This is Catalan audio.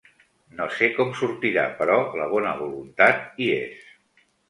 No sé com sortirà, però la bona voluntat hi és.